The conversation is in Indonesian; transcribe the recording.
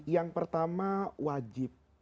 yang pertama wajib